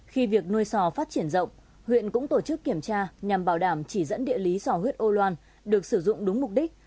khi việc nuôi sò phát triển rộng huyện cũng tổ chức kiểm tra nhằm bảo đảm chỉ dẫn địa lý sò huyết âu loan được sử dụng đúng mục đích